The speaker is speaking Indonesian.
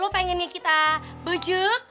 lo pengennya kita bejek